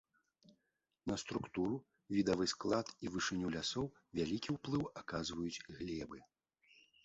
На структуру, відавы склад і вышыню лясоў вялікі ўплыў аказваюць глебы.